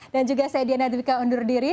dan juga saya diana dwi ka undur diri